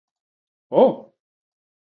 Ω!